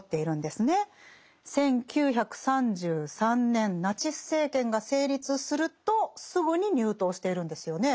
１９３３年ナチス政権が成立するとすぐに入党しているんですよね。